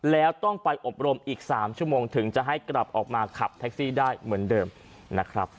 แล้วต้องไปอบรมอีก๓ชั่วโมงถึงจะให้กลับออกมาขับแท็กซี่ได้เหมือนเดิมนะครับ